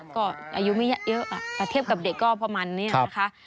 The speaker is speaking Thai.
ก็อายุไม่เยอะถ้าเทียบกับเด็กก็ประมาณนี้นะคะ